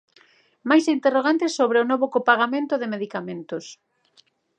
Máis interrogantes sobre o novo copagamento de medicamentos.